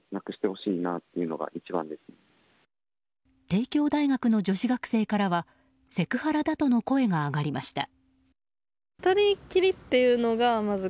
帝京大学の女子学生からはセクハラだとの声が上がりました。